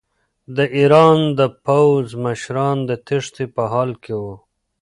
د ایران د پوځ مشران د تېښتې په حال کې وو.